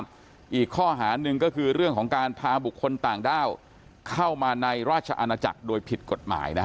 อีกข้อหาหนึ่งก็คือเรื่องของการพาบุคคลต่างด้าวเข้ามาในราชอาณาจักรโดยผิดกฎหมายนะฮะ